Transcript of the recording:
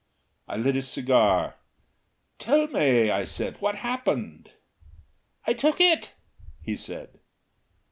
I lit a cigar. "Tell me," I said, "what happened?" "I took it," he said.